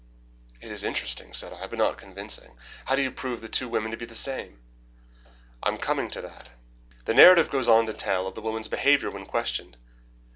"It is interesting," said I, "but not convincing. How do you prove the two women to be the same?" "I am coming to that. The narrative goes on to tell of the woman's behaviour when questioned.